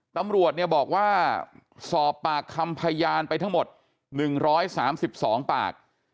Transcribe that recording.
ตำรวจเนี่ยบอกว่าสอบปากคำพยานไปทั้งหมด๑๓๒ปาก